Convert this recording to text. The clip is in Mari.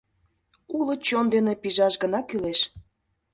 Уло чон дене пижаш гына кӱлеш!